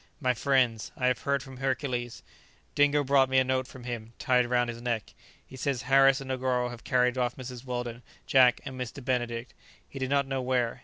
"My friends, I have heard from Hercules. Dingo brought me a note from him, tied round his neck. He says Harris and Negoro have carried off Mrs. Weldon, Jack, and Mr. Benedict. He did not know where.